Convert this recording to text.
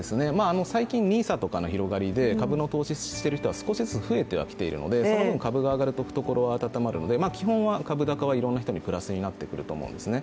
最近、ＮＩＳＡとかの広がりで株の投資をしている人が少しずつ増えてきているのでその分株が上がると、懐があたたまるので、基本は株高は、いろんな人のプラスになると思うんですね。